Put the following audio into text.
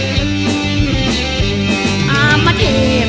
เพื่อคุมทุกข์ทุกข์เต็มร่างกายนะครับ